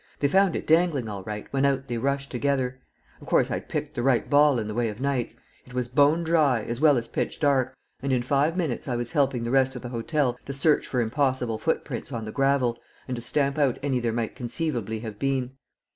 They found it dangling all right when out they rushed together. Of course I'd picked the right ball in the way of nights; it was bone dry as well as pitch dark, and in five minutes I was helping the rest of the hotel to search for impossible footprints on the gravel, and to stamp out any there might conceivably have been."